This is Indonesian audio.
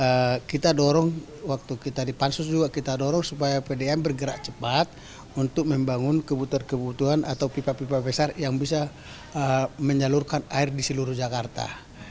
ya kita dorong waktu kita di pansus juga kita dorong supaya pdm bergerak cepat untuk membangun kebutuhan kebutuhan atau pipa pipa besar yang bisa menyalurkan air di seluruh jakarta